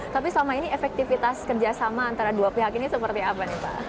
tapi selama ini efektivitas keduanya seperti apa